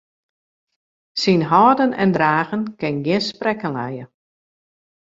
Syn hâlden en dragen kin gjin sprekken lije.